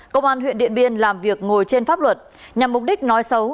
công an huyện điện biên làm việc ngồi trên pháp luật nhằm mục đích nói xấu